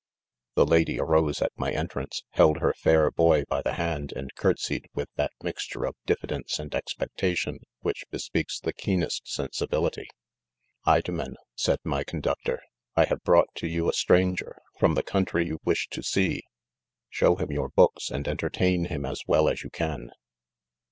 The lady arose at my entrance, held her fair boy by the hand, and courtsied with that mis tux e of diffidence and expectation which be speaks the keenest sensibility. " Idomen," said my conductor, " I have brought to you n stranger, from the country you "iviah to e.ei' :.— show him your books, and entertain him as well as you can."